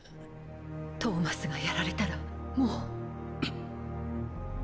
トーマスがやられたらもう。